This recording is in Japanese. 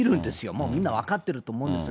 もうみんな分かってると思うんですが。